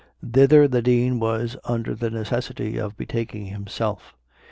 Thither the Dean was under the necessity of betaking himself.